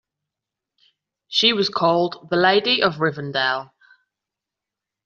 She was called the Lady of Rivendell.